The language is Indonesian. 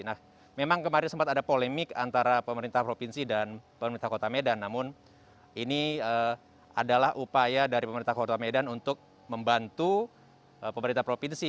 nah memang kemarin sempat ada polemik antara pemerintah provinsi dan pemerintah kota medan namun ini adalah upaya dari pemerintah kota medan untuk membantu pemerintah provinsi